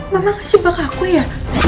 memang ngejebak aku ya